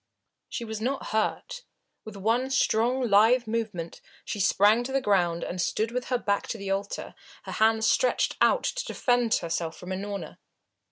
She was not hurt. With one strong, lithe movement, she sprang to the ground and stood with her back to the altar, her hands stretched out to defend herself from Unorna.